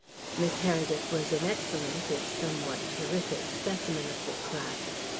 Miss Heredith was an excellent, if somewhat terrific, specimen of the class.